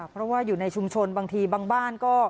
เพราะว่าอยู่ในชุมชนบางทีบางบ้านก็